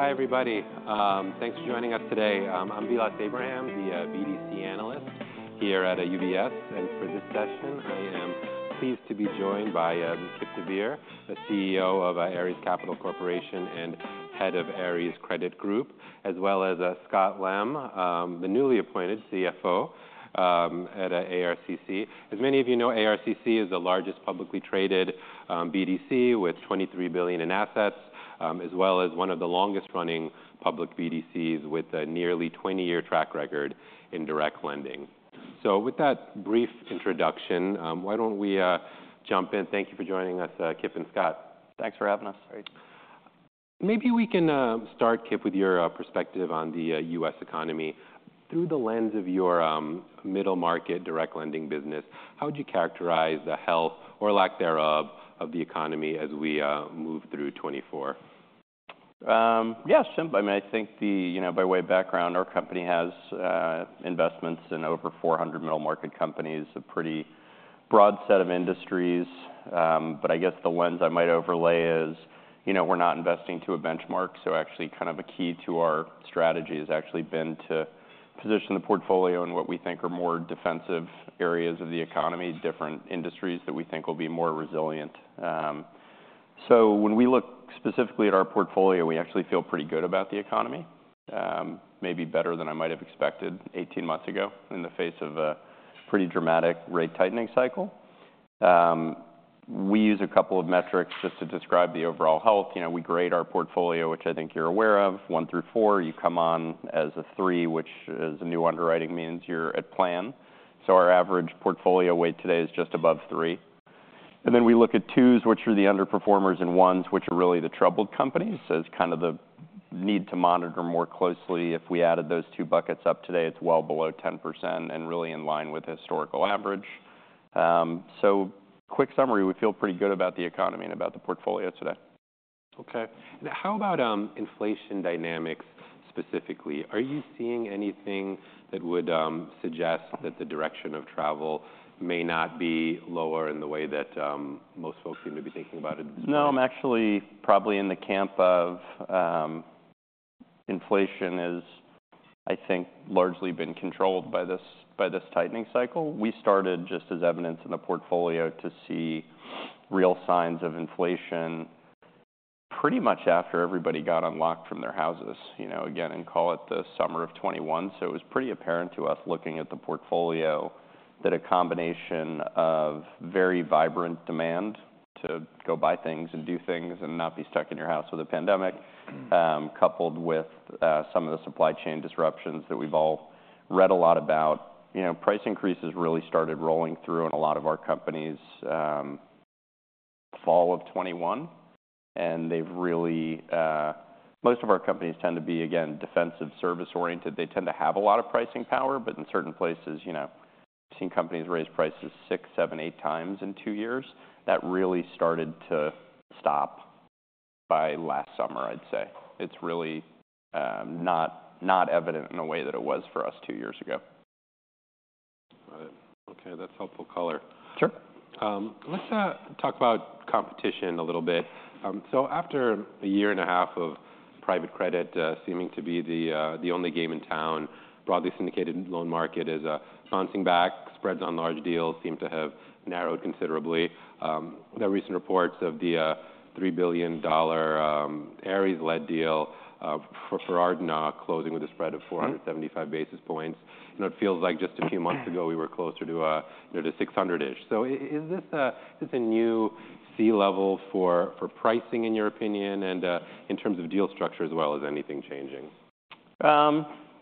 Hi, everybody. Thanks for joining us today. I'm Vilas Abraham, the BDC analyst here at UBS, and for this session, I am pleased to be joined by Kipp deVeer, the CEO of Ares Capital Corporation and head of Ares Credit Group, as well as Scott Lem, the newly appointed CFO at ARCC. As many of you know, ARCC is the largest publicly traded BDC with $23 billion in assets, as well as one of the longest-running public BDCs, with a nearly 20-year track record in direct lending. With that brief introduction, why don't we jump in? Thank you for joining us, Kipp and Scott. Thanks for having us. Thanks. Maybe we can start, Kipp, with your perspective on the U.S. economy. Through the lens of your middle-market direct lending business, how would you characterize the health, or lack thereof, of the economy as we move through 2024? Yeah, sure. I mean, I think. You know, by way of background, our company has investments in over 400 middle-market companies, a pretty broad set of industries. But I guess the lens I might overlay is, you know, we're not investing to a benchmark, so actually, kind of a key to our strategy has actually been to position the portfolio in what we think are more defensive areas of the economy, different industries that we think will be more resilient. So when we look specifically at our portfolio, we actually feel pretty good about the economy, maybe better than I might have expected 18 months ago in the face of a pretty dramatic rate tightening cycle. We use a couple of metrics just to describe the overall health. You know, we grade our portfolio, which I think you're aware of, one through four. You come on as a three, which as a new underwriting means you're at plan. So our average portfolio weight today is just above three. And then we look at twos, which are the underperformers, and ones, which are really the troubled companies. So it's kind of the need to monitor more closely. If we added those two buckets up today, it's well below 10% and really in line with the historical average. So quick summary, we feel pretty good about the economy and about the portfolio today. Okay. And how about, inflation dynamics specifically? Are you seeing anything that would, suggest that the direction of travel may not be lower in the way that, most folks seem to be thinking about it this way? No, I'm actually probably in the camp of, inflation is, I think, largely been controlled by this, by this tightening cycle. We started just as evidence in the portfolio to see real signs of inflation pretty much after everybody got unlocked from their houses, you know, again, and call it the summer of 2021. So it was pretty apparent to us, looking at the portfolio, that a combination of very vibrant demand to go buy things and do things and not be stuck in your house with a pandemic, coupled with, some of the supply chain disruptions that we've all read a lot about. You know, price increases really started rolling through in a lot of our companies, fall of 2021, and they've really, Most of our companies tend to be, again, defensive, service-oriented. They tend to have a lot of pricing power, but in certain places, you know, we've seen companies raise prices 6, 7, 8 times in two years. That really started to stop by last summer, I'd say. It's really, not, not evident in a way that it was for us two years ago. Got it. Okay, that's helpful color. Sure. Let's talk about competition a little bit. So after a year and a half of private credit seeming to be the only game in town, broadly syndicated loan market is bouncing back. Spreads on large deals seem to have narrowed considerably. The recent reports of the $3 billion Ares-led deal for Arena closing with a spread of four- Mm-hmm... 175 basis points. You know, it feels like just a few months ago, we were closer to, you know, to 600-ish. So is this a new C level for pricing, in your opinion, and in terms of deal structure as well, is anything changing?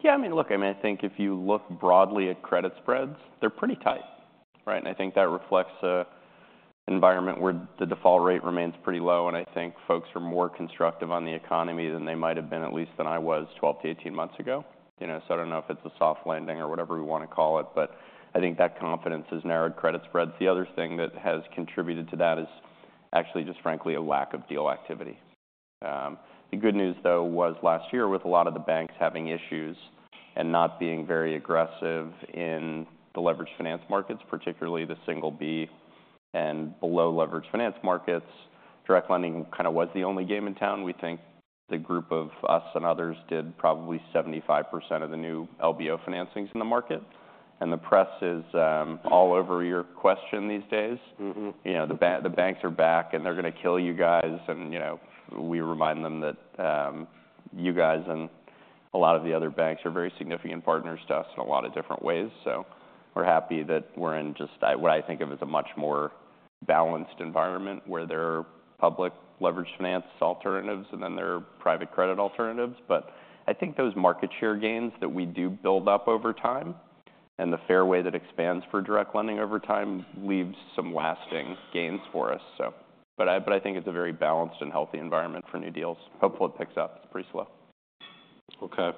Yeah, I mean, look, I mean, I think if you look broadly at credit spreads, they're pretty tight, right? And I think that reflects an environment where the default rate remains pretty low, and I think folks are more constructive on the economy than they might have been, at least than I was, 12-18 months ago. You know, so I don't know if it's a soft landing or whatever we wanna call it, but I think that confidence has narrowed credit spreads. The other thing that has contributed to that is actually, just frankly, a lack of deal activity. The good news, though, was last year, with a lot of the banks having issues and not being very aggressive in the leveraged finance markets, particularly the single B and below leveraged finance markets, direct lending kind of was the only game in town. We think the group of us and others did probably 75% of the new LBO financings in the market, and the press is, all over your question these days. Mm-hmm. You know, the banks are back, and they're gonna kill you guys. And, you know, we remind them that you guys and a lot of the other banks are very significant partners to us in a lot of different ways. So we're happy that we're in just what I think of as a much more balanced environment, where there are public leverage finance alternatives, and then there are private credit alternatives. But I think those market share gains that we do build up over time and the fairway that expands for direct lending over time leaves some lasting gains for us, so. But I, but I think it's a very balanced and healthy environment for new deals. Hopefully, it picks up. It's pretty slow. Okay.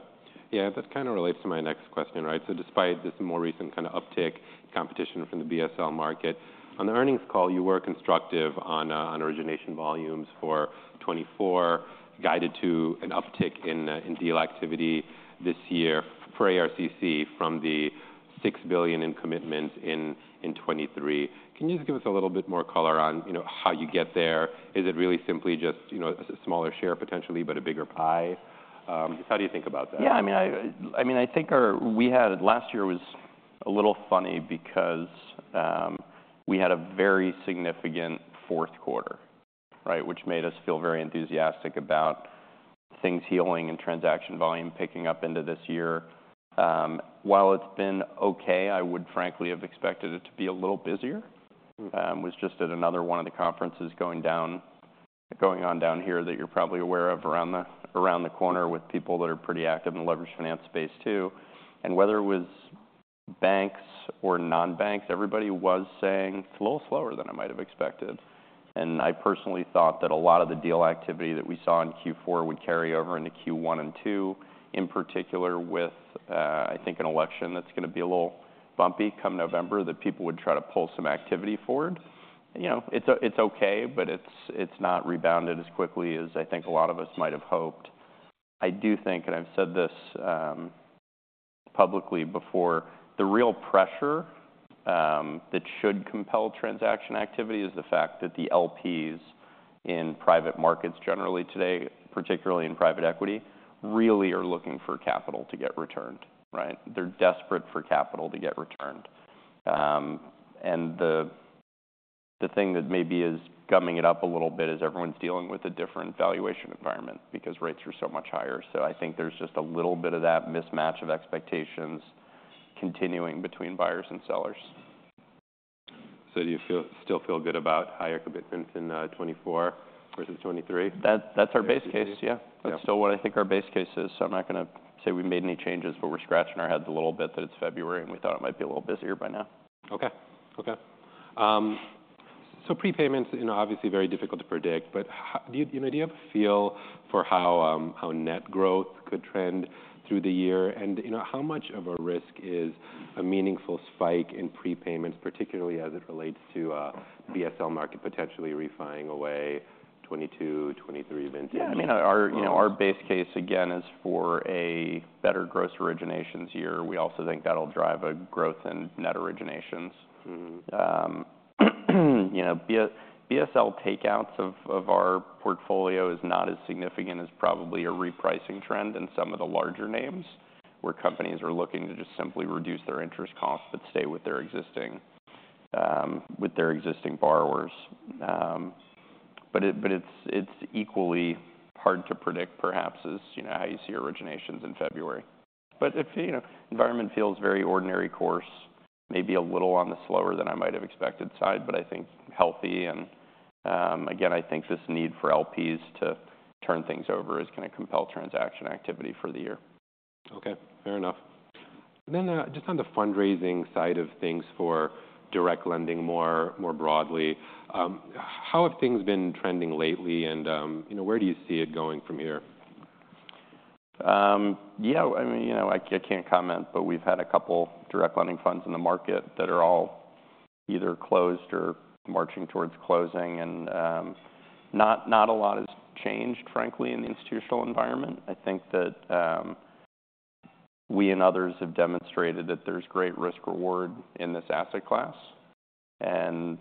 Yeah, that kind of relates to my next question, right? So despite this more recent kind of uptick competition from the BSL market, on the earnings call, you were constructive on on origination volumes for 2024, guided to an uptick in in deal activity this year for ARCC from the $6 billion in commitments in 2023. Can you just give us a little bit more color on, you know, how you get there? Is it really simply just, you know, a smaller share, potentially, but a bigger pie? How do you think about that? Yeah, I mean, I think we had... Last year was a little funny because we had a very significant fourth quarter, right? Which made us feel very enthusiastic about things healing and transaction volume picking up into this year. While it's been okay, I would frankly have expected it to be a little busier. Was just at another one of the conferences going on down here that you're probably aware of around the corner with people that are pretty active in the leveraged finance space, too. And whether it was banks or non-banks, everybody was saying, "It's a little slower than I might have expected." And I personally thought that a lot of the deal activity that we saw in Q4 would carry over into Q1 and Q2, in particular with, I think an election that's gonna be a little bumpy come November, that people would try to pull some activity forward. You know, it's, it's okay, but it's, it's not rebounded as quickly as I think a lot of us might have hoped. I do think, and I've said this, publicly before, the real pressure, that should compel transaction activity is the fact that the LPs in private markets generally today, particularly in private equity, really are looking for capital to get returned, right? They're desperate for capital to get returned. And the thing that maybe is gumming it up a little bit is everyone's dealing with a different valuation environment because rates are so much higher. So I think there's just a little bit of that mismatch of expectations continuing between buyers and sellers. Do you still feel good about higher commitments in 2024 versus 2023? That, that's our base case, yeah. Yeah. That's still what I think our base case is, so I'm not gonna say we've made any changes, but we're scratching our heads a little bit that it's February, and we thought it might be a little busier by now. Okay. Okay. So prepayments, you know, obviously very difficult to predict, but how... Do you, you know, do you have a feel for how, how net growth could trend through the year? And, you know, how much of a risk is a meaningful spike in prepayments, particularly as it relates to, BSL market potentially refinancing away 2022, 2023 vintages? Yeah, I mean, our, you know, our base case, again, is for a better gross originations year. We also think that'll drive a growth in net originations. Mm-hmm. You know, BSL takeouts of our portfolio is not as significant as probably a repricing trend in some of the larger names, where companies are looking to just simply reduce their interest costs, but stay with their existing borrowers. But it's equally hard to predict, perhaps, as you know, how you see originations in February. But if you know, environment feels very ordinary course, maybe a little on the slower than I might have expected side, but I think healthy. And again, I think this need for LPs to turn things over is gonna compel transaction activity for the year. Okay, fair enough. Then, just on the fundraising side of things for direct lending, more broadly, how have things been trending lately? And, you know, where do you see it going from here? Yeah, I mean, you know, I can't comment, but we've had a couple direct lending funds in the market that are all either closed or marching towards closing. And not a lot has changed, frankly, in the institutional environment. I think that we and others have demonstrated that there's great risk-reward in this asset class, and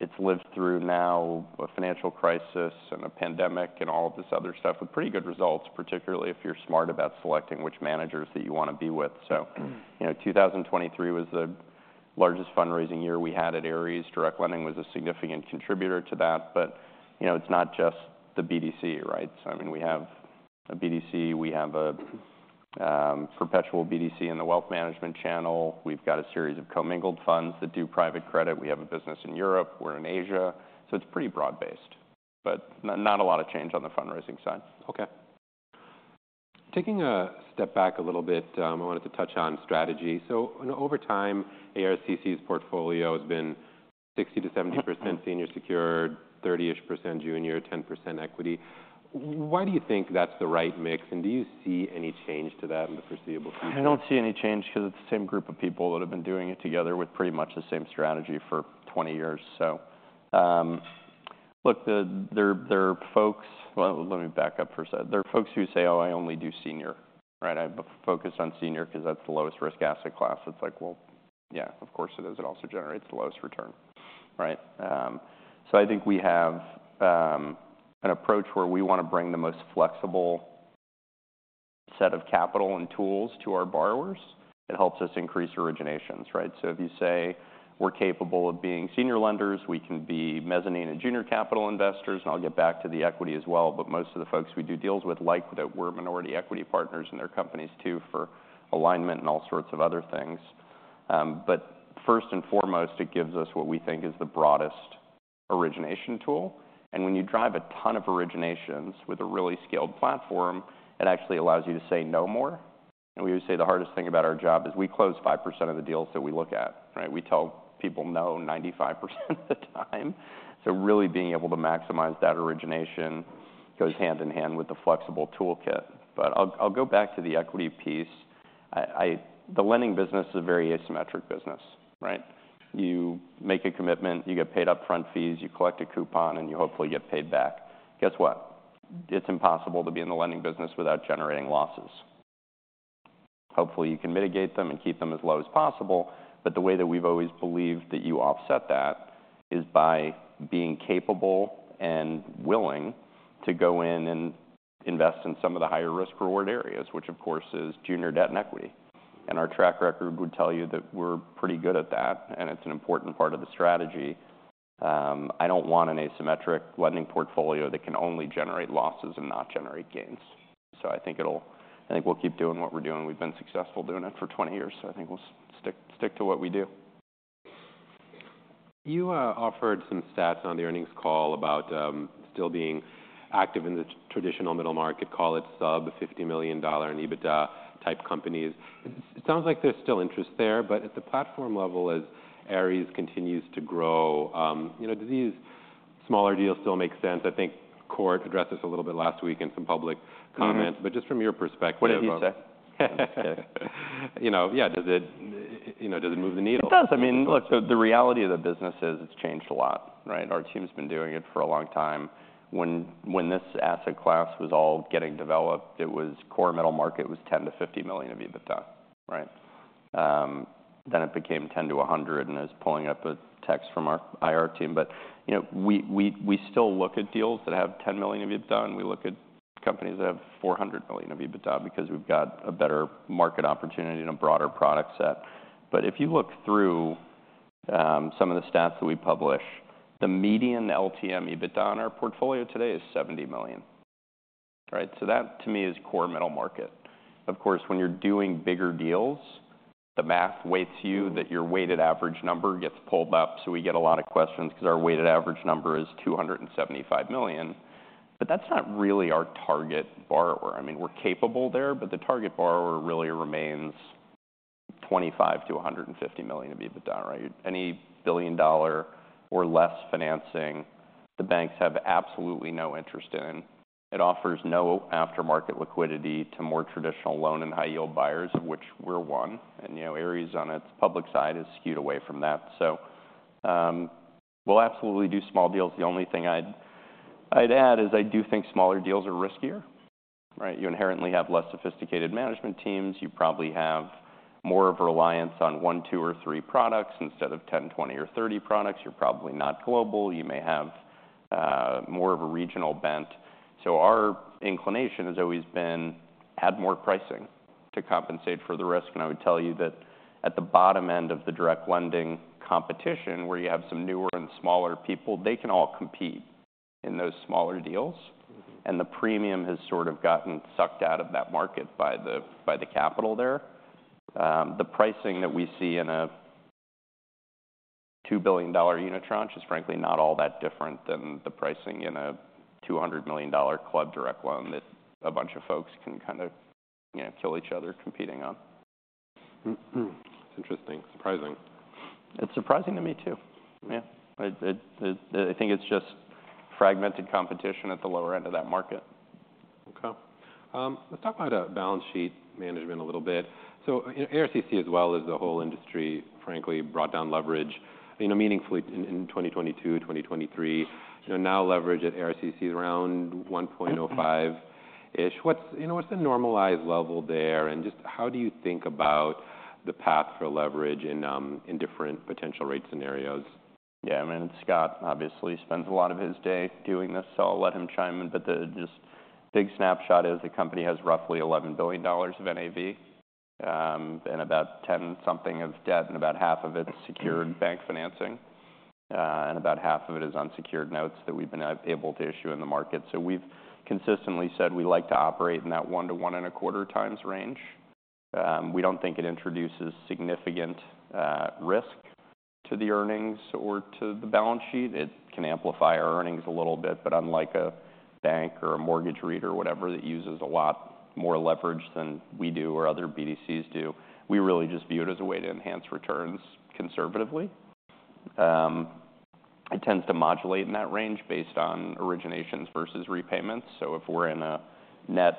it's lived through now a financial crisis and a pandemic, and all of this other stuff with pretty good results, particularly if you're smart about selecting which managers that you wanna be with. So, you know, 2023 was the largest fundraising year we had at Ares. Direct lending was a significant contributor to that. But, you know, it's not just the BDC, right? So, I mean, we have a BDC, we have a perpetual BDC in the wealth management channel. We've got a series of commingled funds that do private credit. We have a business in Europe, we're in Asia, so it's pretty broad-based, but not a lot of change on the fundraising side. Okay. Taking a step back a little bit, I wanted to touch on strategy. So, you know, over time, ARCC's portfolio has been 60%-70% senior secured, 30%ish junior, 10% equity. Why do you think that's the right mix, and do you see any change to that in the foreseeable future? I don't see any change because it's the same group of people that have been doing it together with pretty much the same strategy for 20 years. So, look, there are folks... Well, let me back up for a second. There are folks who say, "Oh, I only do senior," right? "I focus on senior because that's the lowest risk asset class." It's like: Well, yeah, of course it is. It also generates the lowest return, right? So I think we have an approach where we wanna bring the most flexible set of capital and tools to our borrowers. It helps us increase originations, right? So if you say we're capable of being senior lenders, we can be mezzanine and junior capital investors, and I'll get back to the equity as well, but most of the folks we do deals with like that we're minority equity partners in their companies, too, for alignment and all sorts of other things. But first and foremost, it gives us what we think is the broadest origination tool. And when you drive a ton of originations with a really scaled platform, it actually allows you to say no more. And we would say the hardest thing about our job is we close 5% of the deals that we look at, right? We tell people no 95% of the time. So really being able to maximize that origination goes hand in hand with the flexible toolkit. But I'll go back to the equity piece. I... The lending business is a very asymmetric business, right? You make a commitment, you get paid upfront fees, you collect a coupon, and you hopefully get paid back. Guess what? It's impossible to be in the lending business without generating losses. Hopefully, you can mitigate them and keep them as low as possible, but the way that we've always believed that you offset that is by being capable and willing to go in and invest in some of the higher risk reward areas, which of course, is junior debt and equity. And our track record would tell you that we're pretty good at that, and it's an important part of the strategy. I don't want an asymmetric lending portfolio that can only generate losses and not generate gains. So I think we'll keep doing what we're doing. We've been successful doing it for 20 years, so I think we'll stick to what we do. You offered some stats on the earnings call about still being active in the traditional middle market, call it sub-$50 million in EBITDA-type companies. It sounds like there's still interest there, but at the platform level, as Ares continues to grow, you know, do these smaller deals still make sense? I think Core addressed this a little bit last week in some public comments. Mm-hmm. just from your perspective What did he say? You know, yeah, does it, you know, does it move the needle? It does. I mean, look, so the reality of the business is it's changed a lot, right? Our team's been doing it for a long time. When this asset class was all getting developed, it was core middle market, was $10-50 million of EBITDA, right? Then it became $10-100 million, and I was pulling up a text from our IR team. But, you know, we still look at deals that have $10 million of EBITDA, and we look at companies that have $400 million of EBITDA because we've got a better market opportunity and a broader product set. But if you look through some of the stats that we publish, the median LTM EBITDA on our portfolio today is $70 million, right? So that, to me, is core middle market. Of course, when you're doing bigger deals, the math weights you, that your weighted average number gets pulled up. So we get a lot of questions 'cause our weighted average number is $275 million. But that's not really our target borrower. I mean, we're capable there, but the target borrower really remains $25 million-$150 million of EBITDA, right? Any billion-dollar or less financing, the banks have absolutely no interest in. It offers no aftermarket liquidity to more traditional loan and high yield buyers, of which we're one, and, you know, Ares, on its public side, is skewed away from that. So, we'll absolutely do small deals. The only thing I'd, I'd add is I do think smaller deals are riskier, right? You inherently have less sophisticated management teams. You probably have more of a reliance on one, two, or three products instead of 10, 20, or 30 products. You're probably not global. You may have more of a regional bent. So our inclination has always been, add more pricing to compensate for the risk. And I would tell you that at the bottom end of the direct lending competition, where you have some newer and smaller people, they can all compete in those smaller deals, and the premium has sort of gotten sucked out of that market by the, by the capital there. The pricing that we see in a $2 billion unit tranche is frankly not all that different than the pricing in a $200 million club direct loan that a bunch of folks can kind of, you know, kill each other competing on. Mm-hmm. It's interesting. Surprising. It's surprising to me, too. Yeah. I think it's just fragmented competition at the lower end of that market. Okay. Let's talk about balance sheet management a little bit. So ARCC as well as the whole industry, frankly, brought down leverage, you know, meaningfully in 2022, 2023. You know, now leverage at ARCC is around 1.05-ish. What's the normalized level there, and just how do you think about the path for leverage in different potential rate scenarios? Yeah, I mean, Scott obviously spends a lot of his day doing this, so I'll let him chime in. But the just big snapshot is the company has roughly $11 billion of NAV, and about $10-something billion of debt, and about half of it's secured bank financing, and about half of it is unsecured notes that we've been able to issue in the market. So we've consistently said we like to operate in that 1-1.25x range. We don't think it introduces significant risk to the earnings or to the balance sheet. It can amplify our earnings a little bit, but unlike a bank or a mortgage REIT or whatever that uses a lot more leverage than we do or other BDCs do, we really just view it as a way to enhance returns conservatively. It tends to modulate in that range based on originations versus repayments. So if we're in a net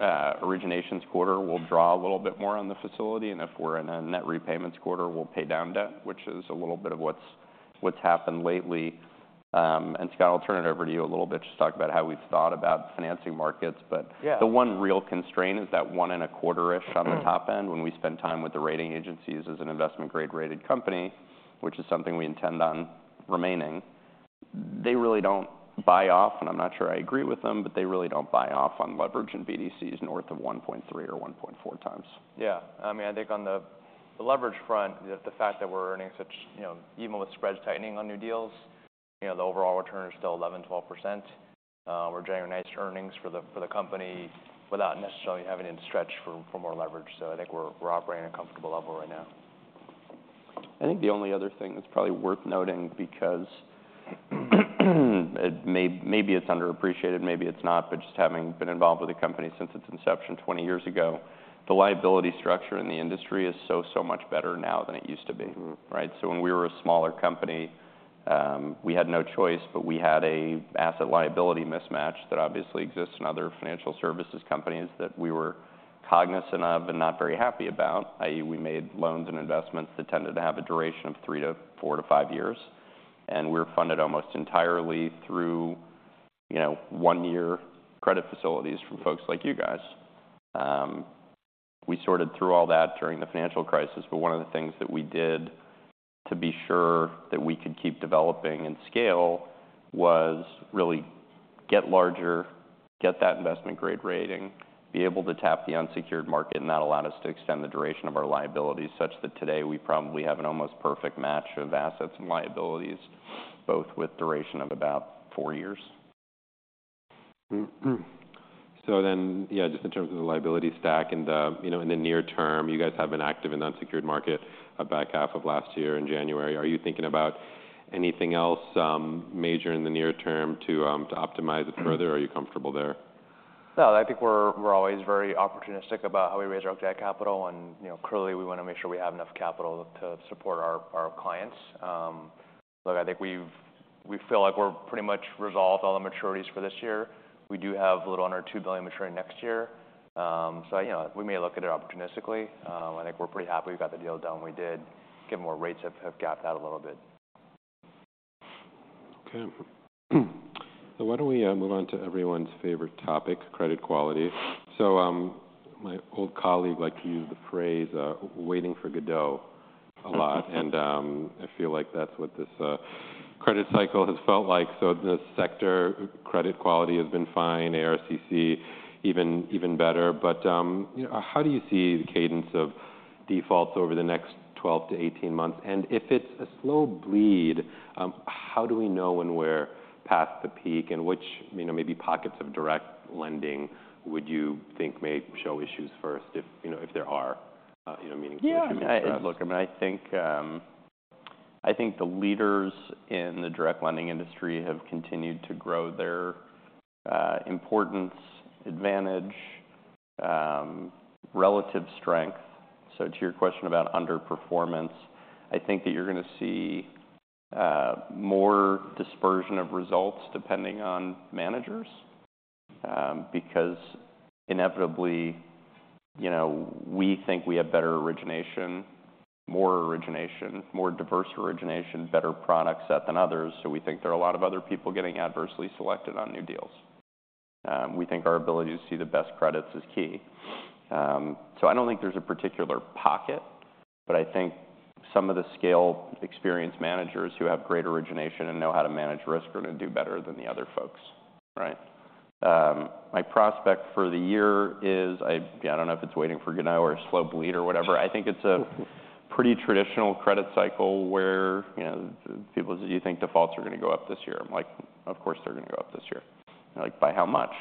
originations quarter, we'll draw a little bit more on the facility, and if we're in a net repayments quarter, we'll pay down debt, which is a little bit of what's happened lately. And Scott, I'll turn it over to you a little bit just to talk about how we've thought about financing markets. Yeah. But the one real constraint is that 1.25-ish on the top end, when we spend time with the rating agencies as an investment grade-rated company, which is something we intend on remaining, they really don't buy off, and I'm not sure I agree with them, but they really don't buy off on leverage in BDCs north of 1.3 or 1.4 times. Yeah. I mean, I think on the leverage front, the fact that we're earning such... You know, even with spreads tightening on new deals, you know, the overall return is still 11%-12%. We're generating nice earnings for the company without necessarily having to stretch for more leverage. So I think we're operating at a comfortable level right now. I think the only other thing that's probably worth noting, because it may- maybe it's underappreciated, maybe it's not, but just having been involved with the company since its inception 20 years ago, the liability structure in the industry is so, so much better now than it used to be. Mm-hmm. Right? So when we were a smaller company, we had no choice, but we had a asset liability mismatch that obviously exists in other financial services companies that we were cognizant of and not very happy about, i.e., we made loans and investments that tended to have a duration of 3 to 4 to 5 years, and we're funded almost entirely through, you know, 1-year credit facilities from folks like you guys. We sorted through all that during the financial crisis, but one of the things that we did to be sure that we could keep developing and scale was really get larger, get that investment grade rating, be able to tap the unsecured market, and that allowed us to extend the duration of our liabilities, such that today we probably have an almost perfect match of assets and liabilities, both with duration of about 4 years. So then, yeah, just in terms of the liability stack in the, you know, in the near term, you guys have been active in the unsecured market, back half of last year in January. Are you thinking about anything else, major in the near term to, to optimize it further, or are you comfortable there? No, I think we're always very opportunistic about how we raise our capital, and, you know, clearly we want to make sure we have enough capital to support our clients. Look, I think we've—we feel like we're pretty much resolved all the maturities for this year. We do have a little under $2 billion maturing next year. So, you know, we may look at it opportunistically. I think we're pretty happy we got the deal done when we did, given where rates have gapped out a little bit. Okay. So why don't we move on to everyone's favorite topic: credit quality? So my old colleague liked to use the phrase "Waiting for Godot" a lot—and I feel like that's what this credit cycle has felt like. So the sector credit quality has been fine, ARCC even, even better. But you know, how do you see the cadence of defaults over the next 12-18 months? And if it's a slow bleed, how do we know when we're past the peak, and which, you know, maybe pockets of direct lending would you think may show issues first if, you know, if there are, you know, meaningful to me first? Yeah, look, I mean, I think the leaders in the direct lending industry have continued to grow their importance, advantage, relative strength. So to your question about underperformance, I think that you're going to see more dispersion of results depending on managers. Because inevitably, you know, we think we have better origination, more origination, more diverse origination, better product set than others, so we think there are a lot of other people getting adversely selected on new deals. We think our ability to see the best credits is key. So I don't think there's a particular pocket, but I think some of the scale experienced managers who have great origination and know how to manage risk are going to do better than the other folks, right? My prospect for the year is, I... Yeah, I don't know if it's waiting for Godot or a slow bleed or whatever. I think it's a pretty traditional credit cycle where, you know, people, you think defaults are going to go up this year. I'm like, "Of course, they're going to go up this year." Like, by how much?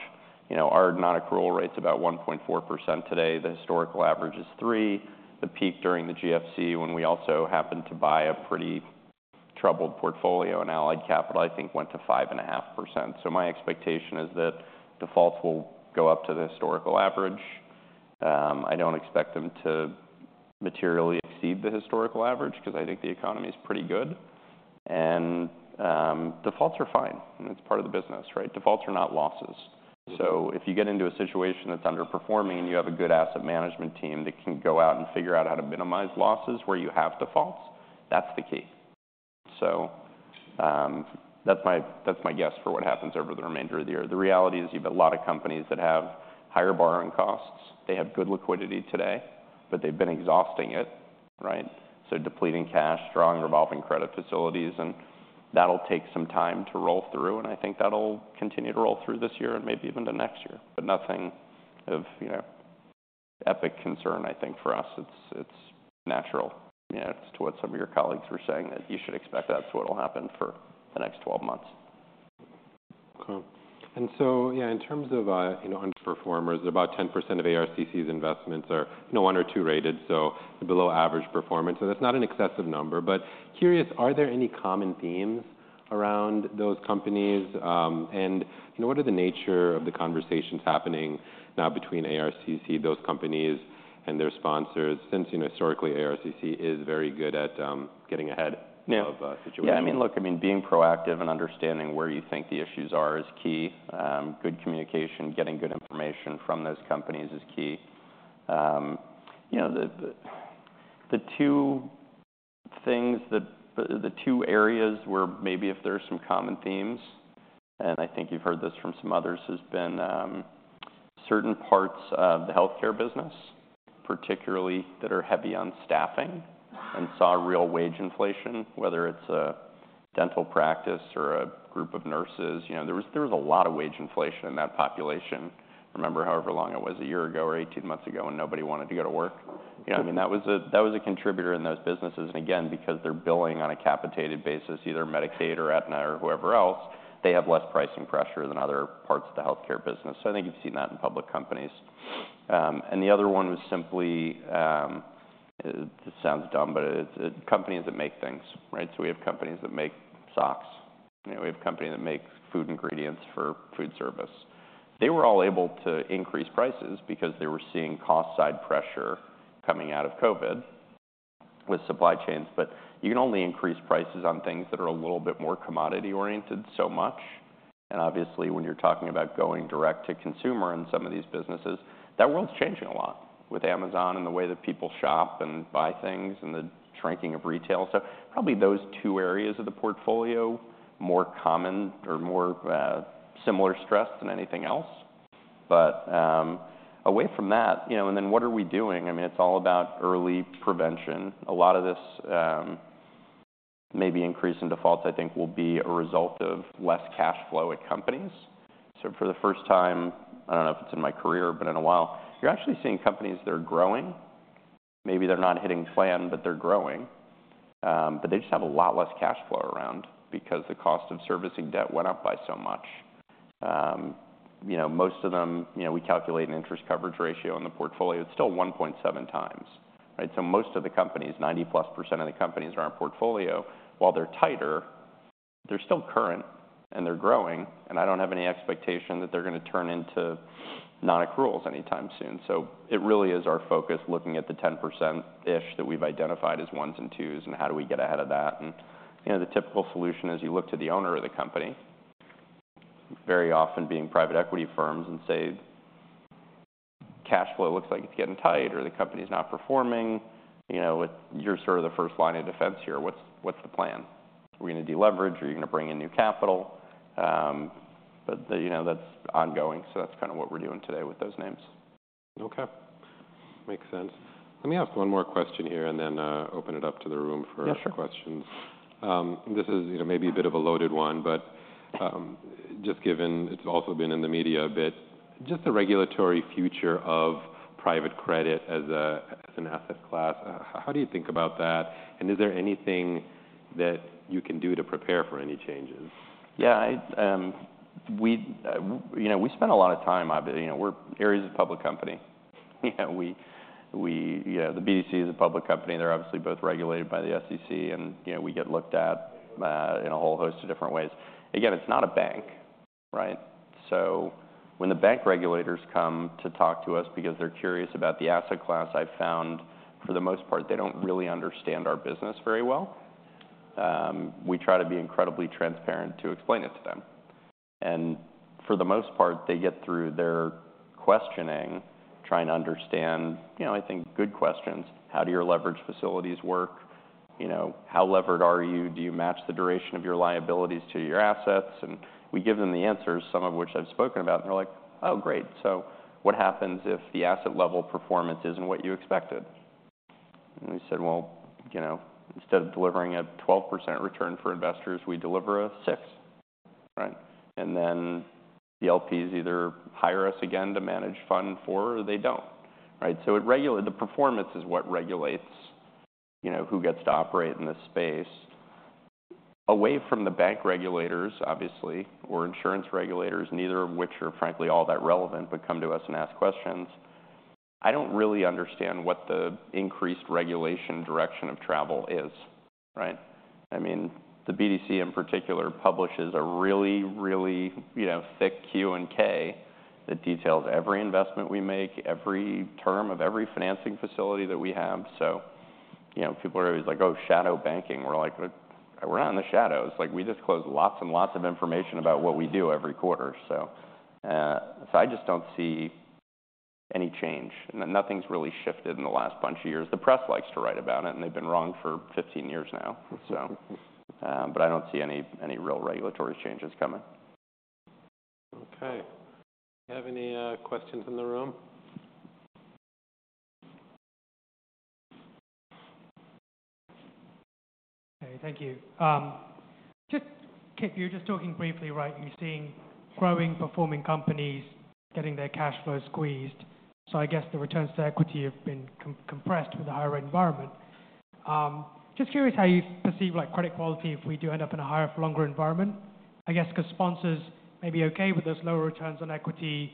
You know, our non-accrual rate's about 1.4% today. The historical average is 3%. The peak during the GFC, when we also happened to buy a pretty troubled portfolio, and Allied Capital, I think, went to 5.5%. So my expectation is that defaults will go up to the historical average. I don't expect them to materially exceed the historical average, because I think the economy is pretty good. And, defaults are fine. It's part of the business, right? Defaults are not losses. So if you get into a situation that's underperforming, and you have a good asset management team that can go out and figure out how to minimize losses where you have defaults, that's the key. So, that's my, that's my guess for what happens over the remainder of the year. The reality is you've a lot of companies that have higher borrowing costs. They have good liquidity today, but they've been exhausting it, right? So depleting cash, drawing revolving credit facilities, and that'll take some time to roll through, and I think that'll continue to roll through this year and maybe even to next year. But nothing of, you know, epic concern, I think, for us. It's, it's natural. Yeah, it's to what some of your colleagues were saying, that you should expect that's what will happen for the next twelve months. Okay. And so, yeah, in terms of, you know, underperformers, about 10% of ARCC's investments are, you know, one or two rated, so below average performance. So that's not an excessive number, but curious, are there any common themes around those companies? And regarding the nature of the conversations happening now between ARCC, those companies, and their sponsors, since, you know, historically, ARCC is very good at getting ahead- Yeah... of situations. Yeah, I mean, look, I mean, being proactive and understanding where you think the issues are is key. Good communication, getting good information from those companies is key. You know, the two areas where maybe if there are some common themes, and I think you've heard this from some others, has been certain parts of the healthcare business, particularly that are heavy on staffing and saw real wage inflation, whether it's a dental practice or a group of nurses. You know, there was a lot of wage inflation in that population. Remember, however long it was, a year ago or 18 months ago, when nobody wanted to go to work? Mm-hmm. You know, I mean, that was a contributor in those businesses. And again, because they're billing on a capitated basis, either Medicaid or Aetna or whoever else, they have less pricing pressure than other parts of the healthcare business. So I think you've seen that in public companies. And the other one was simply, it sounds dumb, but it's companies that make things, right? So we have companies that make socks. You know, we have a company that makes food ingredients for food service. They were all able to increase prices because they were seeing cost side pressure coming out of COVID with supply chains, but you can only increase prices on things that are a little bit more commodity-oriented so much. And obviously, when you're talking about going direct to consumer in some of these businesses, that world's changing a lot with Amazon and the way that people shop and buy things and the shrinking of retail. So probably those two areas of the portfolio, more common or more, similar stress than anything else. But, away from that, you know, and then what are we doing? I mean, it's all about early prevention. A lot of this, maybe increase in defaults, I think, will be a result of less cash flow at companies. So for the first time, I don't know if it's in my career, but in a while, you're actually seeing companies that are growing. Maybe they're not hitting plan, but they're growing. But they just have a lot less cash flow around because the cost of servicing debt went up by so much. You know, most of them, you know, we calculate an interest coverage ratio on the portfolio. It's still 1.7 times, right? So most of the companies, 90%+ of the companies in our portfolio, while they're tighter, they're still current, and they're growing, and I don't have any expectation that they're gonna turn into non-accruals anytime soon. So it really is our focus, looking at the 10%-ish that we've identified as ones and twos, and how do we get ahead of that? You know, the typical solution is you look to the owner of the company, very often being private equity firms, and say, "Cash flow looks like it's getting tight or the company's not performing. You know, what-- You're sort of the first line of defense here. What's the plan? “Are we gonna deleverage or are you gonna bring in new capital?” But you know, that's ongoing, so that's kinda what we're doing today with those names. Okay, makes sense. Let me ask one more question here and then, open it up to the room for- Yeah, sure. questions. This is, you know, maybe a bit of a loaded one, but, just given it's also been in the media a bit, just the regulatory future of private credit as a, as an asset class, how do you think about that? And is there anything that you can do to prepare for any changes? Yeah, you know, we spend a lot of time obviously. You know, Ares is a public company. You know, the BDC is a public company. They're obviously both regulated by the SEC, and, you know, we get looked at in a whole host of different ways. Again, it's not a bank, right? So when the bank regulators come to talk to us because they're curious about the asset class, I've found, for the most part, they don't really understand our business very well. We try to be incredibly transparent to explain it to them. And for the most part, they get through their questioning, trying to understand, you know, I think, good questions. "How do your leverage facilities work? You know, how levered are you? Do you match the duration of your liabilities to your assets?" And we give them the answers, some of which I've spoken about, and they're like, "Oh, great. So what happens if the asset level performance isn't what you expected?" And we said, "Well, you know, instead of delivering a 12% return for investors, we deliver a 6%," right? And then the LPs either hire us again to manage fund four, or they don't, right? So the performance is what regulates, you know, who gets to operate in this space. Away from the bank regulators, obviously, or insurance regulators, neither of which are, frankly, all that relevant, but come to us and ask questions. I don't really understand what the increased regulation direction of travel is, right? I mean, the BDC, in particular, publishes a really, really, you know, thick Q and K that details every investment we make, every term of every financing facility that we have. So, you know, people are always like, "Oh, shadow banking." We're like, "We're not in the shadows. Like, we disclose lots and lots of information about what we do every quarter." So, I just don't see any change. Nothing's really shifted in the last bunch of years. The press likes to write about it, and they've been wrong for 15 years now. But I don't see any real regulatory changes coming. Okay. Do you have any questions in the room? Okay, thank you. Just, you were just talking briefly, right? You're seeing growing, performing companies getting their cash flow squeezed, so I guess the returns to equity have been compressed with the higher rate environment. Just curious how you perceive, like, credit quality if we do end up in a higher for longer environment. I guess because sponsors may be okay with those lower returns on equity,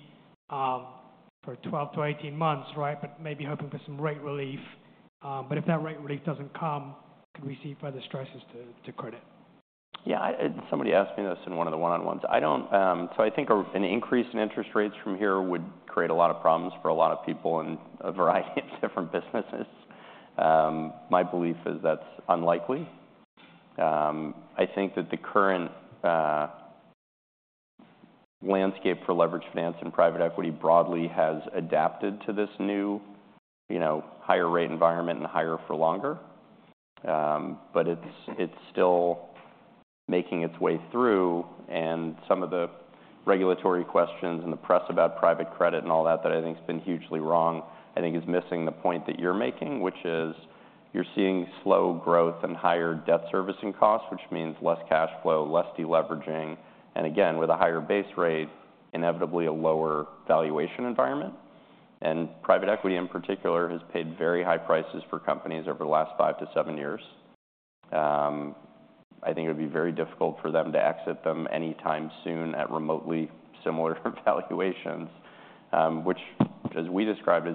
for 12-18 months, right? But maybe hoping for some rate relief. But if that rate relief doesn't come, could we see further stresses to credit? Yeah, somebody asked me this in one of the one-on-ones. I don't. So I think an increase in interest rates from here would create a lot of problems for a lot of people in a variety of different businesses. My belief is that's unlikely. I think that the current landscape for leverage finance and private equity broadly has adapted to this new, you know, higher rate environment and higher for longer. But it's still making its way through, and some of the regulatory questions and the press about private credit and all that, that I think has been hugely wrong, I think is missing the point that you're making, which is you're seeing slow growth and higher debt servicing costs, which means less cash flow, less deleveraging, and again, with a higher base rate, inevitably a lower valuation environment. And private equity, in particular, has paid very high prices for companies over the last 5-7 years. I think it would be very difficult for them to exit them anytime soon at remotely similar valuations, which, as we described,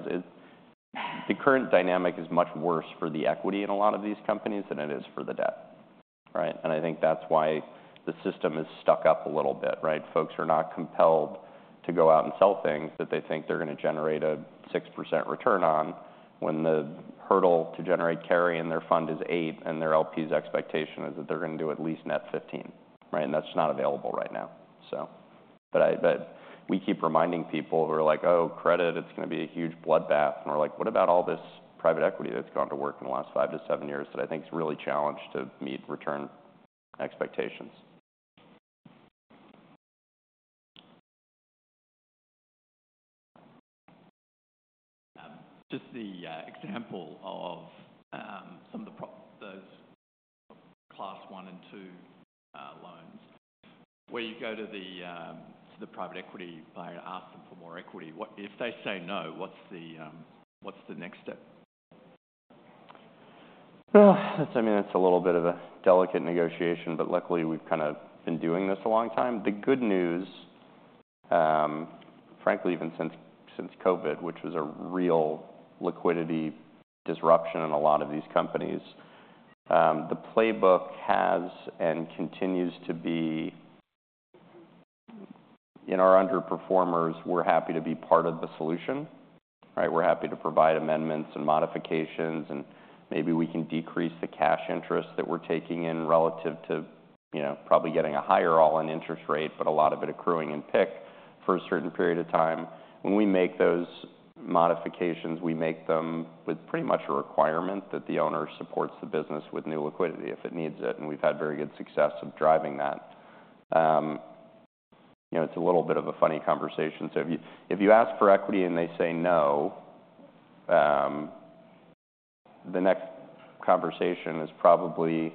the current dynamic is much worse for the equity in a lot of these companies than it is for the debt, right? And I think that's why the system is stuck up a little bit, right? Folks are not compelled to go out and sell things that they think they're gonna generate a 6% return on, when the hurdle to generate carry in their fund is 8, and their LP's expectation is that they're gonna do at least net 15, right? And that's not available right now. So, but we keep reminding people who are like, "Oh, credit, it's gonna be a huge bloodbath," and we're like, "What about all this private equity that's gone to work in the last five-to-seven years that I think is really challenged to meet return expectations?... just the example of some of those class one and two loans, where you go to the private equity buyer and ask them for more equity. What if they say no, what's the next step? Well, I mean, it's a little bit of a delicate negotiation, but luckily we've kind of been doing this a long time. The good news, frankly, even since, since COVID, which was a real liquidity disruption in a lot of these companies, the playbook has and continues to be... In our underperformers, we're happy to be part of the solution, right? We're happy to provide amendments and modifications, and maybe we can decrease the cash interest that we're taking in relative to, you know, probably getting a higher all-in interest rate, but a lot of it accruing in PIK for a certain period of time. When we make those modifications, we make them with pretty much a requirement that the owner supports the business with new liquidity if it needs it, and we've had very good success of driving that. You know, it's a little bit of a funny conversation. So if you, if you ask for equity and they say no, the next conversation is probably,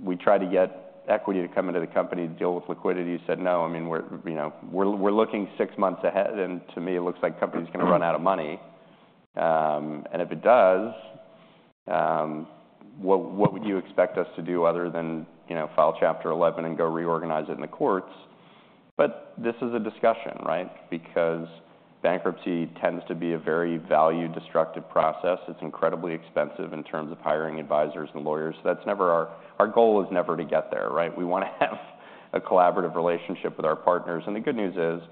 we try to get equity to come into the company to deal with liquidity. You said, "No." I mean, we're, you know, looking six months ahead, and to me, it looks like company's gonna run out of money. And if it does, what would you expect us to do other than, you know, file Chapter 11 and go reorganize it in the courts? But this is a discussion, right? Because bankruptcy tends to be a very value-destructive process. It's incredibly expensive in terms of hiring advisors and lawyers. That's never our goal is never to get there, right? We wanna have a collaborative relationship with our partners. The good news is,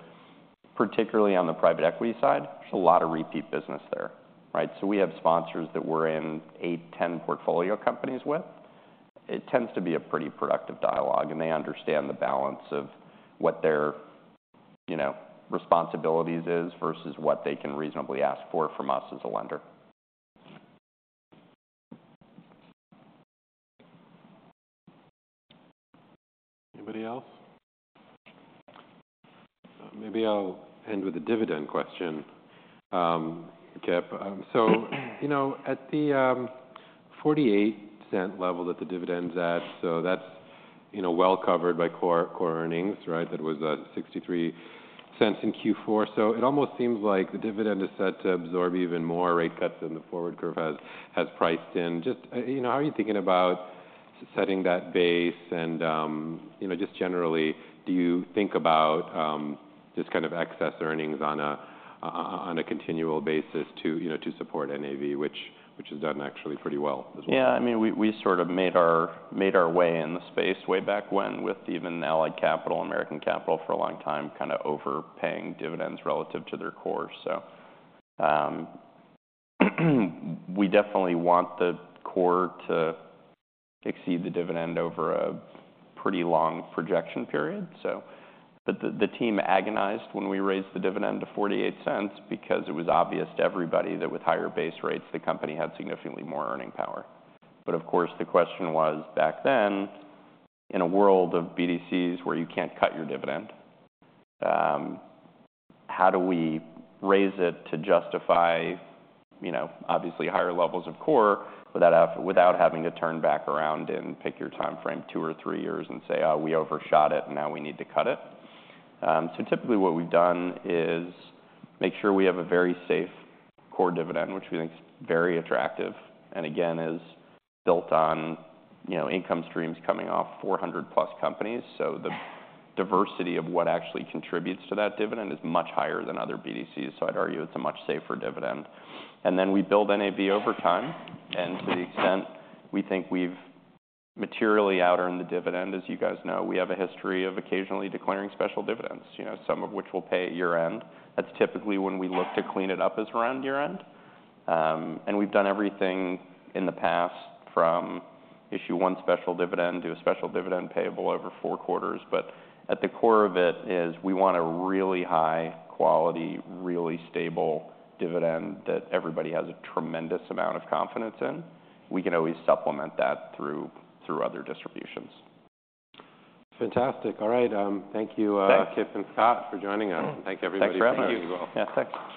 particularly on the private equity side, there's a lot of repeat business there, right? So we have sponsors that we're in 8, 10 portfolio companies with. It tends to be a pretty productive dialogue, and they understand the balance of what their, you know, responsibilities is versus what they can reasonably ask for from us as a lender. Anybody else? Maybe I'll end with a dividend question. Kipp, so, you know, at the $0.48 level that the dividend's at, so that's, you know, well covered by core, core earnings, right? That was at $0.63 in Q4. So it almost seems like the dividend is set to absorb even more rate cuts than the forward curve has priced in. Just, you know, how are you thinking about setting that base and, you know, just generally, do you think about just kind of excess earnings on a, on a continual basis to, you know, to support NAV, which has done actually pretty well as well? Yeah, I mean, we sort of made our way in the space way back when, with even Allied Capital and American Capital for a long time, kind of overpaying dividends relative to their core. So, we definitely want the core to exceed the dividend over a pretty long projection period. But the team agonized when we raised the dividend to $0.48 because it was obvious to everybody that with higher base rates, the company had significantly more earning power. But of course, the question was, back then, in a world of BDCs where you can't cut your dividend, how do we raise it to justify, you know, obviously higher levels of core without without having to turn back around and pick your timeframe two or three years and say, "Oh, we overshot it, and now we need to cut it?" So typically what we've done is make sure we have a very safe core dividend, which we think is very attractive, and again, is built on, you know, income streams coming off 400+ companies. So the diversity of what actually contributes to that dividend is much higher than other BDCs, so I'd argue it's a much safer dividend. And then we build NAV over time, and to the extent we think we've materially outearned the dividend. As you guys know, we have a history of occasionally declaring special dividends, you know, some of which we'll pay at year-end. That's typically when we look to clean it up, is around year-end. And we've done everything in the past, from issue one special dividend to a special dividend payable over four quarters. But at the core of it is we want a really high quality, really stable dividend that everybody has a tremendous amount of confidence in. We can always supplement that through, through other distributions. Fantastic. All right, thank you. Thanks... Kippp and Scott, for joining us. Thank everybody for coming as well. Thanks for having us. Yeah, thanks.